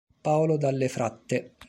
Paolo Dalle Fratte